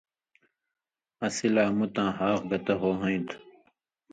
اسی لا مُتاں حاق گتہ ہوہَیں تُھُو۔